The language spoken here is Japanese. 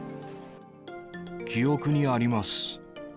記憶にあります。